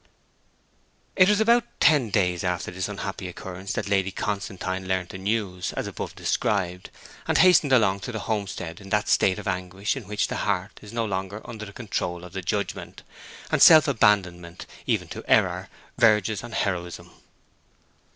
It was about ten days after this unhappy occurrence that Lady Constantine learnt the news, as above described, and hastened along to the homestead in that state of anguish in which the heart is no longer under the control of the judgment, and self abandonment even to error, verges on heroism.